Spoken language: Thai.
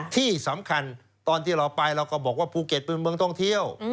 ที่สำคัญตอนที่เราไปเราก็บอกว่าภูเก็ตเป็นเมืองท่องเที่ยว